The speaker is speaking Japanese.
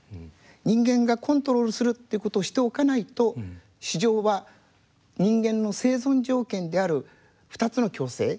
人間がコントロールするっていうことをしておかないと市場は人間の生存条件である２つの共生を崩してしまうと。